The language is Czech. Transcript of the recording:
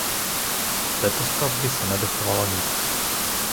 Z této stavby se nedochovalo nic.